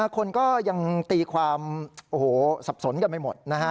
คนก็ยังตีความสับสนกันไม่หมด